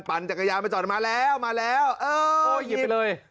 ปันจักรยานไปจอดมาแล้วเออหยิบไปเลย